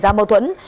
để ra mâu thuẫn